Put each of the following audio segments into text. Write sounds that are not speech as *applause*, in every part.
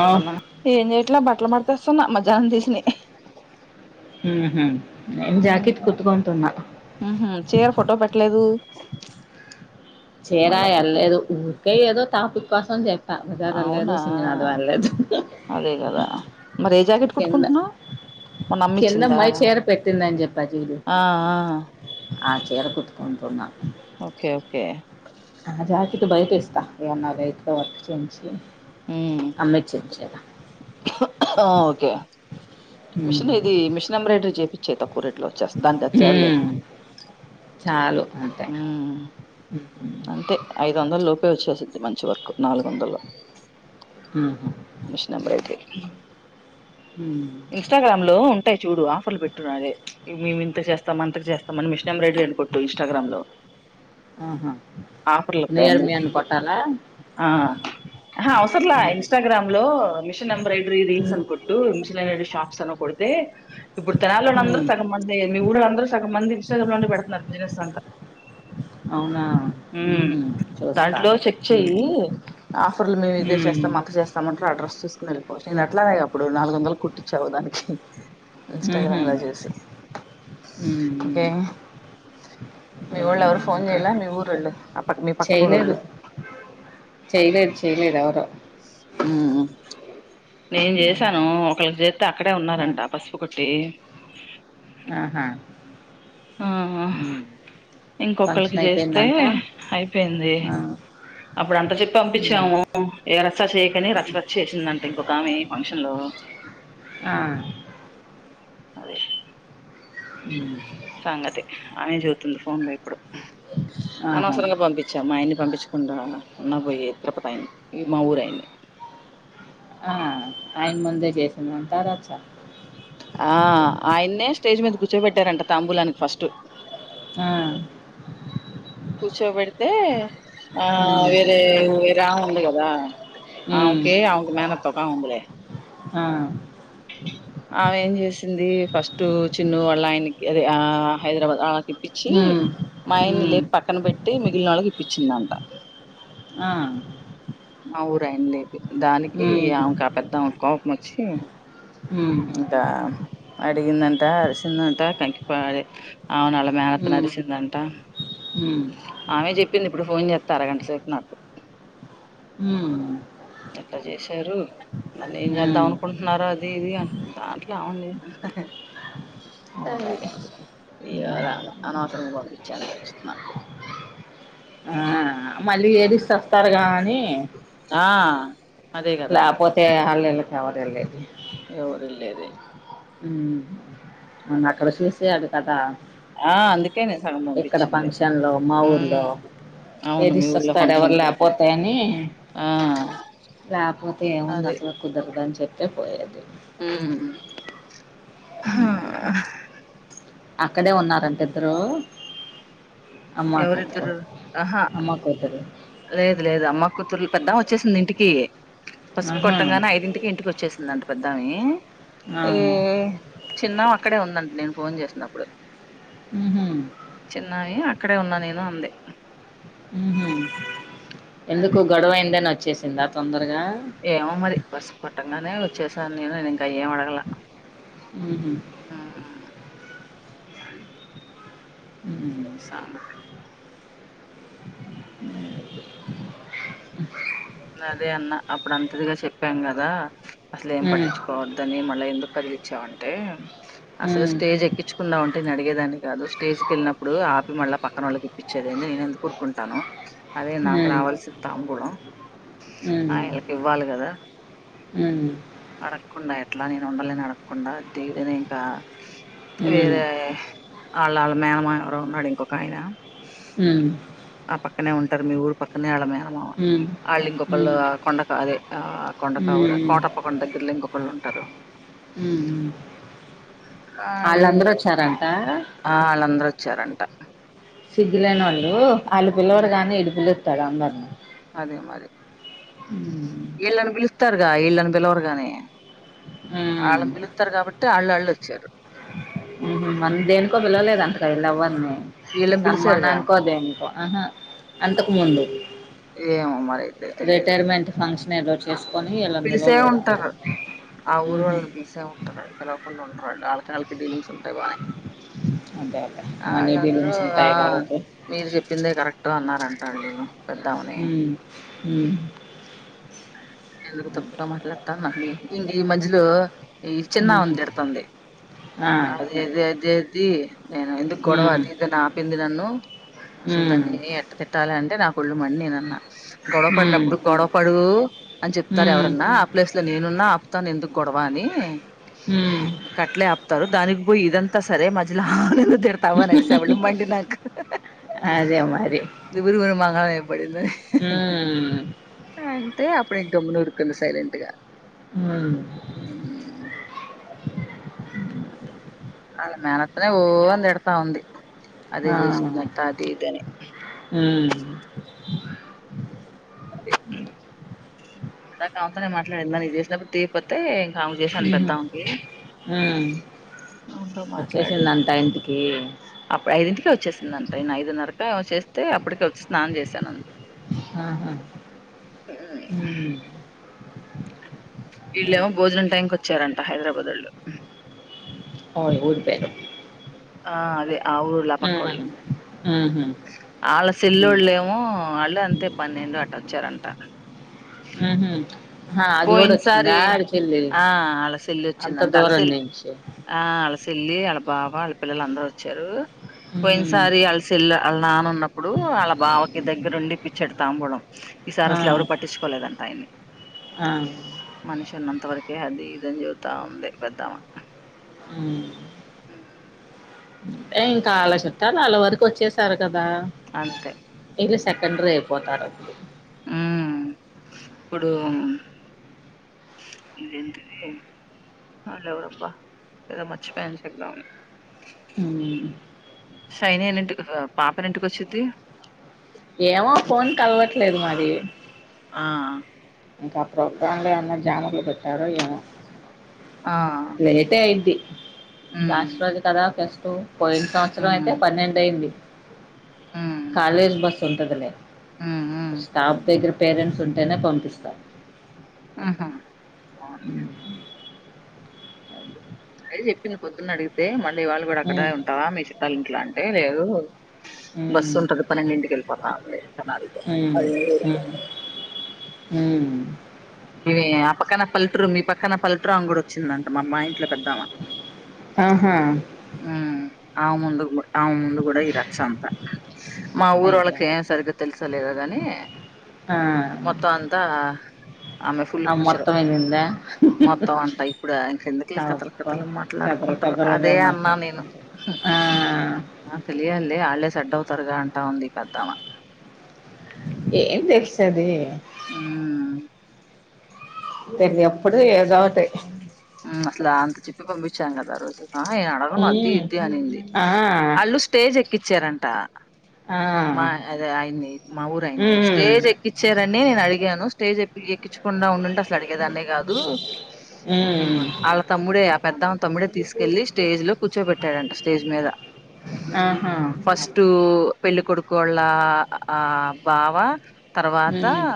ఆ ఏం చెయట్లా బట్టలు మత స్తు నా మజా అందిస్ని ఊహు ఉ ఊహు చీర ఫోటో పెట్టలేదు చిర మళ్ళా ఏలేదు పెట్టు ఏదో ఊర్కయ ఏదో తాపుక్పాసం జత ఉదర లేదు అవునా సింగనాథ అ లేదు అదే కదా మరి ఏ జాకెట్ కింద కుట్టుకుంటున్నావ్ మొన్న అమ్మ కిందమ్ ఇచ్చిందా మై చీర పెట్టిందని చెప్పా చూడు ఆ ఆ ఏర కూతుకుంటన్నాను ఓకే ఓకే ఆ జాకెట్ బయట ఇస్తా ఏమన్నా రైట్ వర్క్ చేంచి అమ్మ ఇచిన చిర ఆహా ఒకే ఉమ్ మిషన్ ఇది మిషన్ ఎంబ్రైడడ్ర్ చెప్పపి చెతకు కూరట్లో వచ్చేస్త దానికిచ్చాలే ఉమ్, చాలు థ్యాంక్య అంతే ఐదు వందలు లోపే వచ్చేసింది మంచి వర్క్ నాలుగు వందలు ఉహు మిస్సింబోర్దరి ఉమ్ ఇన్స్టాగ్రామ్ లో ఉంటాయి చూడు ఆఫర్లు పెట్టున్నా మేము ఇంత చేస్తాం అంత చేస్తా మిస్ ఎంబ్రోడరీ అని కొట్టు ఇస్టాగ్రామ్ లో ఆహా ఆఫర్లు నియర్ వస్తాయి మీ అని కొట్టాలా ఆహా అవసరలే ఇన్స్టగ్రామ్ లో మిష ఎబ్రయిడీ రీల్స్ అ ఉమ్ కొటు మిషన్ ఎంబ్రాడీ షప్స్ అ కొ తే ఇప్పుడు తెనలోని అందరు ఉమ్ సగం మంది మీ ఊళ్ళందరూ సగం మంది పె బిజినె ఉంట అవునా ఉహు ఉమ్దాంట్లో చూస్తాను చెక్ చేయి ఉమ్ ఆఫర్లు మేము ఇదే హ్మ్. చేస్తాం అంత చేస్తాం అడ్రస్ చూసుకుని వెళ్ళిపోవచ్చు నేను అట్లానే అప్పుడు నాలుగు వందలు కుట్టిచ్చావు దానికి హుహు. ఇన్స్టాగ్రామ్ లో చూసి హ్మ్. హ్మ్. కే మీ వాళ్ళు ఏమన్నా ఎవరు ఫోన్ ఇంకా చేయాల మీ ఊరుళ్ళు మీ పక్కన చేయలేదు. ఊరుోళ్ళు చేయలేదు. చేయలేదు ఎవరు. నేను చేసాను హ్మ్. ఒకళకి చేస్తే అక్కడే ఆ! ఉన్నారంట పసుపు కొట్టి ఆహా ఆ హ్మ్. ఇంకొకరికి ఫంక్షన్ చేస్తే అయిపోయిందంట. అయిపోయింది ఆ! అప్పుడు అంతా చెప్పి హ్మ్. పంపించాము ఏ రసా చేయకని రచ్చరచ్చ చేసిందంటే ఇంకోకామి ఫంక్షన్ లో ఆ! అదే ఉ సంగతే అమె జతుంది ఫోన్ లో ఇప్పు ఆహా! అనవసరంగా పంపించాం మా ఇయన్ని పంపించు తకుండా ఉన్నా పోయే తిరుపతి అయన్ని ఇ మా ఊరు అయిన్ని ఆ టయన ముంద చేసింది అంటారుచ్చా ఆ ఆయన్నే స్టేజ్ మీద కూర్చోబెట్టారంట తాంబూలానికి ఫస్ట్ ఆ కూర్చోబెడితే ఆ హ్మ్. వేరే వేరే ఉంది కదా హ్మ్. ఆమెకి ఆమెకి మేనత్కా ఉందిలే ఆ ఆమె ఏం చేసింది ఫస్ట్ చిన్న వాళ్ళ ఆయనకి అదే ఆ హైదరాబాద్ ఇప్పించి హ్మ్. మాయని హ్మ్. లేపి పక్కన పెట్టి మిగిలిన వాళ్ళకి విచ్చిన్నంట ఆ మా ఊరుయన లేదు దానికి హ్మ్. ఇంకా పెద్ద కోపం వచ్చి హ్మ్. ఇంకా అడిగిందంట అరిసిందంట కంకి పడ అవును అలా మేనత హ్మ్. నరిసిందంట హ్మ్. ఆమె చెప్పింది ఇప్పుడు ఫోన్ చేస్తా తరగంట సేపు న ఉమ్ ఎట్లా చేశారు మన్న ఏం చేద్దాం హ్మ్. అనుకుంటున్నారో అది ఇది అ దాంట్లో అవును ఓడమ్మో! అ అనవసరంగా పంపించాను నాకు ఆ మళ్ళీ ఏది ఇస్తొస్తారుగా అనీ ఆ అదే కదా లేపోతే హ ఎవరు లేది ఊరు లేదే అమ్ అక్కడ చూసాడు కదా అక్కడ చూసాడు కదా ఆ అందుకే నేను సగం ఇక్కడ పంపించింది ఫంక్షన్ లో మా ఊలో ఉమ్ అవును ఏది మీ ఊళ్ళో ఇసుొస్తాడు ఎవరు ఫంక్షన్ కి లేకపోతాయని ఆ లేకపోతే ఏముంది అది అసలు కుదరదు అని చెప్పి అే పోయది ఉమ్ హ అక్కడే ఉన్నారంట ఇద్దరు అమ్మా కూతురు ఎవరిద్దరు ఆహా అమ్మ కూతురు లేదు లేదు అమ్మ కూతురులు పెద్ద వ వచ్చేసింది ఇంటికి పసుపు ఆహా కొట్టగానే ఐదింటికి ఇంటికి వచ్చేసిందండి పెద్ద కానీ ఆ ఏ చిన్నమే అక్కడే ఉందండి నేను ఫోన్ చేసినప్పుడు ఉహు చిన్నామె అక్కడే ఉన్నా నేను అంది ఉహు ఎందుకు అది గోడవ అయిందనా చ్చేసిందా తొందర ఏమో మరి పసుపు కొట్టంగానే వచ్చేసాను నేను ఇంకా ఏమి అడగల ఉహు కానీ సన అ అదే అన్న అప్పుడు అంతదిగా చెప్పాం కదా అసలే ఏం ఉమ్ పట్టించుకోవద్దని మళ్ళీ ఎందుకు కదిలిచ్చావంటే అసలు ఉమ్ స్టేజ్ ఎక్కించుకుండా ఉంటే నే అడిగేదాన్ని కాదు స్టేజ్కి వెళ్ళినప్పుడు ఆపి మళ్ళా పక్కన వాళ్ళకి ఇప్పించేదిని నేను ఎందుకు ఊరుకుంటాను అదే నాకు హ్మ్. రావాల్సిిన తాంబూలం ఆయళకి ఇవ్వాలి కదా ఉ అడగకుండా ఎట్లా నేను ఉండాలేను అడగకుండా దే ఇంకా హ్మ్. వేరే వాళ్ళ వాళ్ళ మేనమామ ఎవరో ఉన్నాడు ఇంకొక ఆయన హ్మ్. ఆ పక్కనే ఉన్ మీ ఊరి పక్కనే *unintelligible* *unintelligible* హ్మ్. వాళ్ళు ఇంకొకళ్ళు హ్మ్. కొండక అదే ఆ కొండకావర కోట దగ్గరలో ఇంకొకళ్ళు ఉంటారు ఉ ఊ ఆళ్ళు వాళ్ళందరూ వచ్చారంట చ్చరంట సిగ్గులేని వోళ్ళు వాళ్ళ పిలవరు కానీ ఈడు పిలి *unintelligible* అందరిని అదే మరి హు ఈళ్ళని బిలుస్తారుగా ఈళ్ళని బిలవరు గాని హ్మ్. ఆళ్ళని పిలుత్తరు కాబట్టి అళ్ళ అళ్ళు వచ్చరు ఉహు మనం దేనికో పిలవలేదు అంటగా ఇలు అవ్వని వీళ్ళని పిలిచారుగా సన్మానానికో దేనికో ఆహా అంతకు ముందు ఏమో మరైతే తెలియదు రిటైర్మెంట్ ఫంక్షన్ రోజు ఎస్ పిలిసే ఉంటరు ఆ హుహు. ఊరొళ్ళని పిలిసే ఉంటరు వాళ్ళు పిలవకుండా ఉండరు వాళ్ళు వాళ్ళకళ్ డిలీంగ్స్ ఐపాయ్ అదే అదే. ఆ మనీ వాళ్ళందరూ డీలింగ్స్ ఆ ఉంటాయి కాబట్టి. మీరు చెప్పిందే కరెక్ట్ అన్నారన్ తాళ్లు హు హు ఎందుకు తప్ప మాట్లాడతా నందీ ఇన్ ఈ మధ్యలో ఈ చిన్న హ్మ్. ఉంది తిడుతాంది ఆ! అదే అదే అదే జీ నేను ఎందుకు గొడవ హ్మ్. అది ఇది అని ఆపింది నన్ను అసలు హ్మ్. దాన్ని ఎట్ట తిట్టాలి అం అంటే నాకు ఒళ్ళు మండి నన్న గొడవ హ్మ్. పడినప్పుడు గొడవపడి కు అని చెప్తారు హ్మ్. ఎవరన్నా. ఆ ప్లేసులో నేను ఉన్న ఆపుతాను. ఎందుకు గొడవ అని హ్మ్. ఇంకా అట్లే ఆపుతారు దాన్ అబ్బో ఇదంతా సరే మధ్యలో తిడతావ నరిసావాళ్ళు మండుదా నాకు అదే మరి. ఇ గురుగురుమా పడింది హ్మ్. అంటే అప్పుడు ఇంకా గమ్మున ఊరుకుంది సైలెంట్ గా హ్మ్. మ్మ్ వాళ్ళ మేనత్తనే ఓ అని తిడతాంది. అదే ఆ! చేసిదంట అది ఇది అని హ్మ్. ఇందాక ఆమెతోనే మాట్లాడింద నను చేసినప్పుడు తీయకపోతే ఆమెకి చేసాను పెద్ద హుహు. అమికి హ్మ్. అమ్మేతో మాట్లాడి వచ్చేసిందంట ఇంటికి. అప్పుడు ఐదింటికే వచ్చేసిందింట. ఐదున్నరకి ఏమో చేస్తే ఐతే అప్ ప్పుడ్ కొచ్చి స్నానం చేశానంది. ఆహా! హ్మ్. మ్మ్ వీళ్ళేమో అది. భోజనం టైంకి వచ్చారం త హైదరాబాదోళ్ళు ఓ ఊరీ పేరు ఆ అదే ఆ ఊర్ళ ఆ పక్కోళ్లు హుహు. వాళ్ళ హ్మ్. సెల్లోళ్ళు ఏమో వాళ్ళు అంతే పన్నెండు అట్ట వచ్చారంట హుహు. ఆహా! అది పోయినసారి గూడొచ్చిందా ఆడికెళ్ళి? ఆ ఆళ్లసేల్లి అంత వచ్చింధంట దూరం అల్లసెల్లి నుంచి. ఆ అల్లసిల్లి అల్ల బా బావ వాళ్ళ పిల్లలు అందరూ వచ్చారు. హ్మ్. పోయిన్సారి ఆల్సేల్ల వాళ్ళ నాన్న ఉన్నప్పుడు వాళ్ళ బావకి దగ్గర ఉండి ఇప్పీచ్చాడు తాంబూలాం ఈ ఆ! సారసలు ఎవరు పట్టించుకోలేదంట ఆయన్ని ఆ! మనిషి ఉన్నంత వరకే ఆది ఇది అని చెప్తా ఉంది పెద్దామె మ్మ్ ఏ ఇంకా అలా చుట్టాలు అళ్ళ వరకు వచ్చేసారు. కదా అంతే *unintelligible* సెకండరీ అయిపోతారప్పుడు ఊ ఇప్పుడు ఇదేంటిది ఆల్ ఏవరబ్బా ఏదో మర్చిపోయా చెబుదామని మ్మ్ సైనేన్ ఇంటి పాపని ఇంటికి వచ్చిద్ది ఏమో ఫోన్ కల్వట్ లేదు మడి ఆ ఇంక ఆ ప్రోగ్రాంలో ఏమన్న జామర్లు పెట్టారో ఏమో ఆ లేేటే అయిద్ది ఉమ్ దాచుకోవాలి కదా కొంచెం పో పోయిన సంవత్సరం అయితే ఉమ్ పన్నెండు అయింది. హ్మ్ కాలేజ్ బస్ తుంటదిలే హ్మ్ హ్మ్ ఒక స్టాప్ దగ్గర పేరెంట్ ఉంటేనే పంపిస్త స ఆహా అవునులే. *inaudible* చెప్పింది పొద్దున్న అడిగితే మ వాళ్ళు కూడా అక్కడే మ్మ్ ఉంటావా మీ చుట్టాలు ఇట్లా ఏ లేదు బస్సు మ్మ్ ఉంటది పన్నెండిటికి వెళ్ళిపోతా అన్నది మ్మ్ అది ఉ ఇ ఆ పక్కన పల్లెటూరు మీ పక్కన పల్లెటూరు ఆమె కూడా వచ్చిందంట మామ్మా ఇంట్లో ద్ద ఆహా ఉ ఆ ముందుకు *unintelligible* ఆమె ముందు కూడా ఈ రచ్చ అంత మా ఊరు అయ్యో ఒళ్ళకి ఏం సరిగగా తెలుసలేదు గాని ఆ మొత్తం అంతా ఆమె ఫుల్ ఆ పిక్చర్ మొత్తం ఎళ్ళిందా మొత్తం అంట ఇప్పుడు ఇంకెందుకులే కథల అబ్బా కథలు కథలు మాట్లాడుకుంటారు కథలుగా అదే అన్నా మాటలు నేను ఆ ఆ తెలియాలి ఆళ్ళే సెట్ అవుతారుగా అంటా ఉంది పెద్దామ ఏం తెల్సతాది ఉ త ఎప్పుడు ఏదో ఒకటి అసలు అంత చెప్పి పంపించాం కదా ఆ రోజు ఆ అడవడం అతి ఉమ్, ఇది అనింది ఆ, అళ్ళు స్టేజ్ ఎ క్కిచ్చారంట ఆ, మా అదే ఆయన్ని మా ఊరు ఆయన్ని ఉమ్, స్టేజ్ ఎక్కించారని నేను అడిగాను స్టేజ్ ఎ ఎక్కించుకుండా ఉండుంటే అడిగేదాన్నే గాదు ఉమ్, వాళ్ళ తమ్ముడే ఆ పెద్ద తమ్ముడే తీసుకెళ్ళలి స్టేజ్ లో కూర్చోబెట్టాడంట స్టేజ్ మీద ఆహా, ఫస్ట్ పెళ్ళికడుకు కొళ ఆ బావా తర్వాత ఉమ్,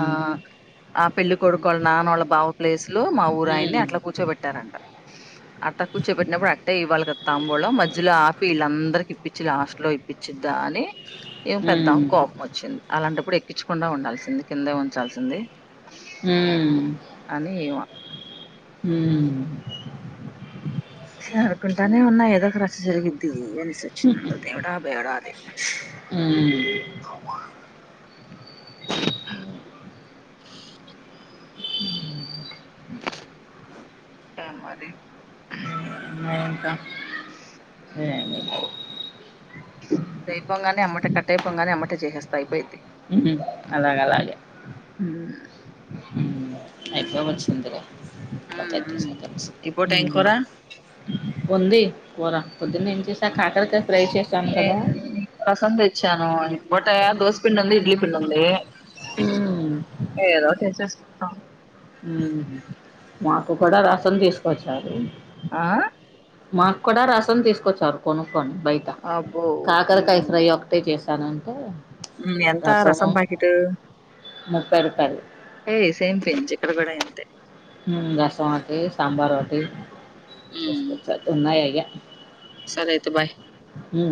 ఆ ఆ పెళ్ళ కొడుకు వాళ్ళ నాన్న వాళ్ళ బావ ప్లేస్ లో మా ఊరుయిన్ని ఉమ్, అట్లా కూర్చోబెట్టారంట అట్లా కూర్చోబెట్నప్పుడు అట్టే ఇవ్వాలి కదా తాంబూలో మధ్యలో ఆపి వీళ్ళందరికి ఇప్పించి లాస్ట్ లో ఇప్పించిద్దా అని ఏం పెద్దా ఉమ్, కోపం వచ్చింది అలాంటప్పుడు ఎక్కించకుండా ఉండాల్సింది కిందే ఉంచాల్సింది అని *unintelligible* ఉ అనుకుంటానే ఉన్నాయి ఏదో ఒక రచ్చ జరిగిద్ది అనిసి వచ్చినడు దేడా బేడా అది ప్చ్ *unintelligible* ఊ అ మరి ఊ మింకా దైపోంగానే అమ్మట కట్టేపంగానే అమట చేసస్తా అయిపోయిది ఊ అలాగ అలాగే ఉమ్. ఊ అయిపో వచ్చిందిలే ఒ ఉమ్, థర్టీట్ ఉమ్. సెకంస్ ఈ పూట ఊ ఏం కూర ఉంది కూరా పొద్దునేం చేసావ్ కాకరకాయ్ నెన్ నీ కోసం దెచ్చాను బొటాయ దోశ పిండి ఉంది ఇడ్లీ పిండుంది ఏదో చేసేసా అ ఊహు మాకు కూడా రసన్ తీసుకొచ్చారు ఈళ్లు ఆ మాకు కూడా రసం తీసుకొచ్చారు కొను కోండి బయట అబ్బో కాకరకాయ ఫ్రై ఒకటే చేసు తనంటే ఊ ఎంత రసం పాకెటు ముప్పై రూపాయలు ఏ సేమ్ పించ్ ఇక్కడ కూడా అయింది తే ఊ రసం ఒటి సాంబార్ ఒటి ఉమ్ ఉన్నాయయ్య సరే అయితే బాయ్ ఊ